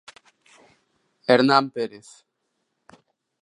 Hernán Pérez.